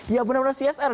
ya benar benar csr